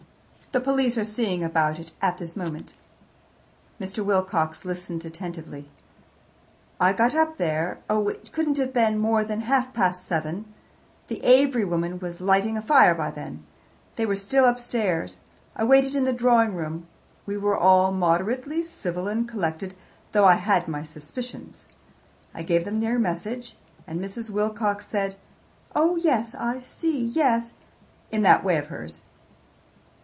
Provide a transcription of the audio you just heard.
The police are seeing about it at this moment." Mr. Wilcox listened attentively. "I got up there oh, it couldn't have been more than half past seven. The Avery woman was lighting a fire for them. They were still upstairs. I waited in the drawing room. We were all moderately civil and collected, though I had my suspicions. I gave them your message, and Mrs. Wilcox said, 'Oh yes, I see; yes,' in that way of hers."